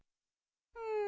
うん。